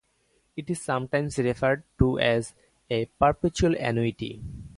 It is sometimes referred to as a perpetual annuity.